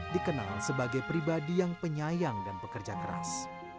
dikenal sebagai pribadi yang penyayang dan pekerja keras